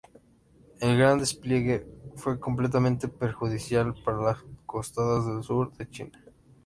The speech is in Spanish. El "Gran Despliegue" fue completamente perjudicial para las costas del sur de China.